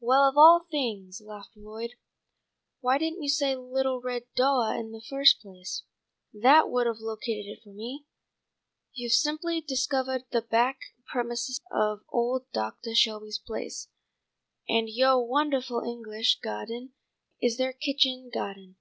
"Well, of all things," laughed Lloyd, "why didn't you say little red doah in the first place. That would have located it for me. You've simply discovahed the back premises of old Doctah Shelby's place, and yoah wondahful English gah'den is their kitchen gah'den.